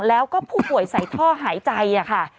แล้วก็ผู้ป่วยใส่ท่อหายใจค่ะ